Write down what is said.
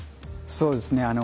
そうですね。